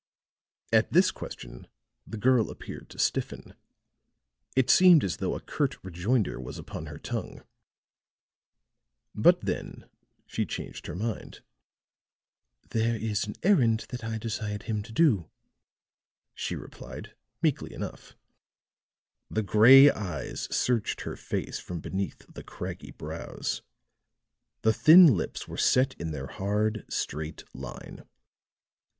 At this question the girl appeared to stiffen; it seemed as though a curt rejoinder was upon her tongue. But, then, she changed her mind. "There is an errand that I desired him to do," she replied, meekly enough. The gray eyes searched her face from beneath the craggy brows; the thin lips were set in their hard, straight line.